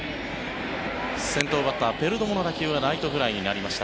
先頭バッターペルドモの打球はライトフライになりました。